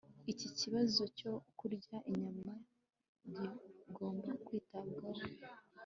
Iki kibazo cyo kurya inyama kigomba kwitabwaho